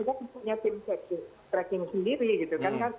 karena kita punya tim tracking sendiri gitu kan